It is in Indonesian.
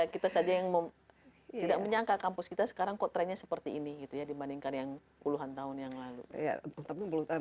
kita saja yang tidak menyangka kampus kita sekarang kok trennya seperti ini gitu ya dibandingkan yang puluhan tahun yang lalu